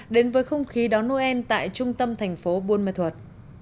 đến với không khí đón noel tại trung tâm thành phố buôn ma thuật